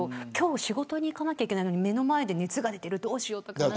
仕事に行かなきゃいけないのに目の前で熱が出ているどうしようとか。